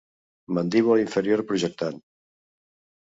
Mandíbula inferior projectant.